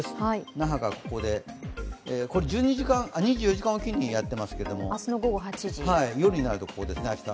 那覇がここで、これ２４時間おきにやってますけども夜になると、ここですね、明日。